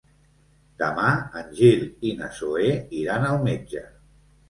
Demà en Gil i na Zoè iran al metge.